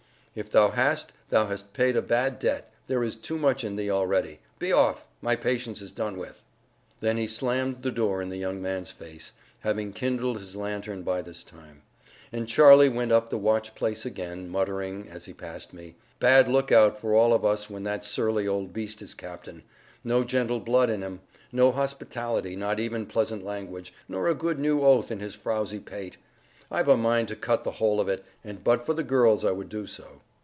"If thou hast, thou hast paid a bad debt! there is too much in thee already. Be off! my patience is done with." Then he slammed the door in the young man's face, having kindled his lantern by this time; and Charlie went up the watch place again, muttering, as he passed me, "Bad lookout for all of us when that surly old beast is captain. No gentle blood in him, no hospitality, not even pleasant language, nor a good new oath in his frowzy pate! I've a mind to cut the whole of it; and but for the girls I would do so."